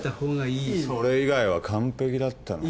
それ以外は完璧だったのに。